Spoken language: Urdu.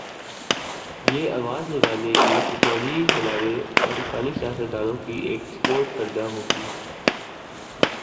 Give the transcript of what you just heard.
یہ آواز لگانے کی ٹیکنالوجی ہمارے پاکستانی سیاستدا نوں کی ایکسپورٹ کردہ ہوگی